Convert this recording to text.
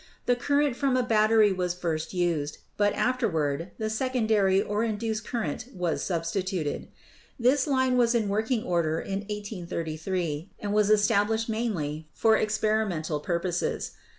The current from a battery was first used, but afterward the secondary or induced current was sub stituted. This line was in working order in 1833, ano ^ was established mainly for experimental purposes.